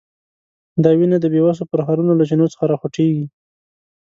دا وینه د بیوسو پرهرونو له چینو څخه راخوټېږي.